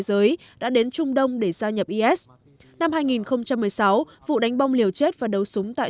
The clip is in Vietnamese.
giới đã đến trung đông để gia nhập is năm hai nghìn một mươi sáu vụ đánh bom liều chết và đấu súng tại